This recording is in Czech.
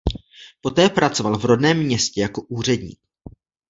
Poté pracoval v rodném městě jako úředník.